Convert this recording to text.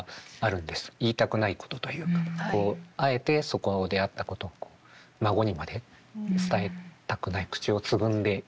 言いたくないことというかこうあえてそこであったことを孫にまで伝えたくない口をつぐんでいたい。